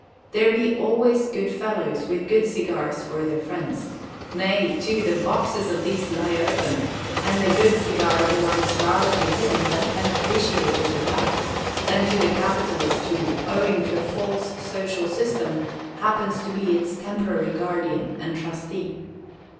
_ There be always good fellows, with good cigars for their friends. Nay, too, the boxes of these lie open; an the good cigar belongs rather to him that can appreciate it aright than to the capitalist who, owing to a false social system, happens to be its temporary guardian and trustee.